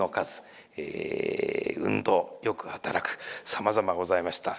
さまざまございました。